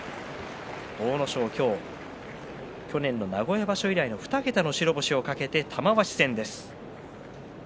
阿武咲、去年の名古屋場所以来の２桁の白星を懸けて今日、玉鷲戦です。